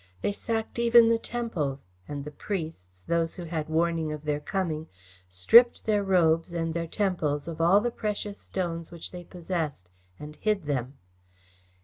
They sacked even the temples, and the priests those who had warning of their coming stripped their robes and their temples of all the precious stones which they possessed, and hid them."